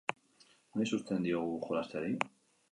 Noiz uzten diogu jolasteari?